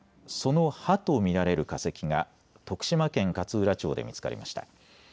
その歯と見られる化石が徳島県勝浦町で見つかりました。